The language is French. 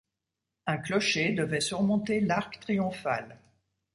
Un clocher devait surmonter l'arc triomphal.